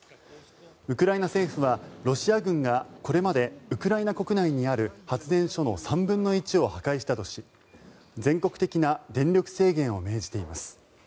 ウクライナ政府は、ロシア軍がこれまでウクライナ国内にある発電所の３分の１を破壊したとし全国的な電力制限を命じています。